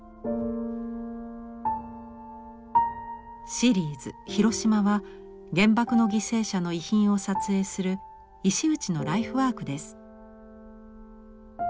シリーズ「ひろしま」は原爆の犠牲者の遺品を撮影する石内のライフワークです。